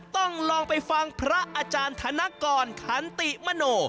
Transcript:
ต้องลองไปฟังพระอาจารย์ธนกรขันติมโน